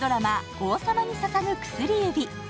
「王様に捧ぐ薬指」。